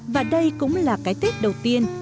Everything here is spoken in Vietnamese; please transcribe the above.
và đây cũng là cái tết đầu tiên